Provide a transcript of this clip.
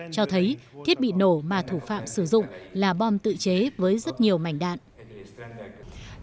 cho thấy thiết bị nổ mà thủ phạm sử dụng là bom tự chế với rất nhiều mảnh đạn